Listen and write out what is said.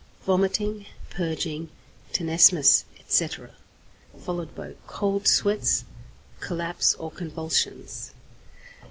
_ Vomiting, purging, tenesmus, etc., followed by cold sweats, collapse, or convulsions.